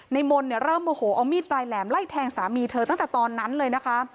มนต์เนี่ยเริ่มโมโหเอามีดปลายแหลมไล่แทงสามีเธอตั้งแต่ตอนนั้นเลยนะคะ